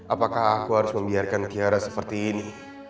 apakah aku harus membiarkan kiara seperti ini